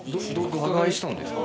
ドカ買いしたんですか？